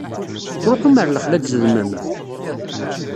Tettṛuḥum ɣer lexla ad zedmem?